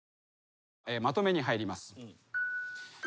まとめに入ります。